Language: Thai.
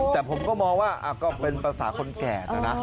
แต่ผมก็มองว่าก็เป็นภาษาคนแก่นะนะ